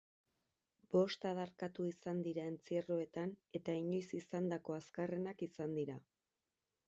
Bost adarkatu izan dira entzierroetan eta inoiz izandako azkarrenak izan dira.